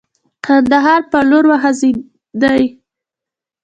کندهار پر لور وخوځېدی.